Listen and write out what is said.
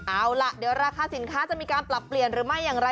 เอาล่ะเดี๋ยวราคาสินค้าจะมีการปรับเปลี่ยนหรือไม่อย่างไร